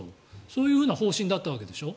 そういう方針だったわけでしょ。